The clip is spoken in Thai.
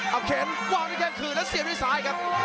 เอาเข็นวางด้วยแข้งคืนแล้วเสียบด้วยซ้ายครับ